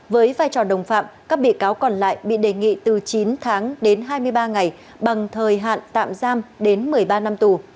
với vai trò đồng phạm các bị cáo còn lại bị đề nghị từ chín tháng đến hai mươi ba ngày bằng thời hạn tạm giam đến một mươi ba năm tù